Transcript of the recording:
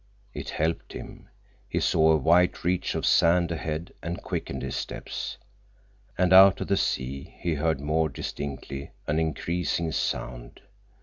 It helped him. He saw a white reach of sand ahead and quickened his steps. And out of the sea he heard more distinctly an increasing sound.